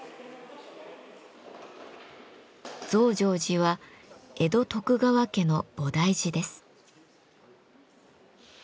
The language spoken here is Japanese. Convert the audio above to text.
増上寺は江戸徳川家の菩提寺です。